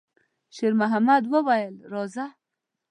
شېرمحمد وویل: «راځه!»